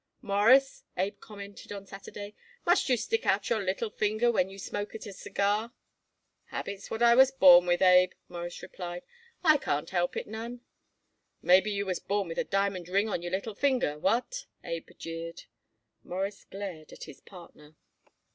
"Mawruss," Abe commented on Saturday, "must you stick out your little finger when you smoke it a cigar?" "Habits what I was born with, Abe," Morris replied. "I can't help it none." "Maybe you was born with a diamond ring on your little finger. What?" Abe jeered. Morris glared at his partner.